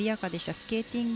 スケーティング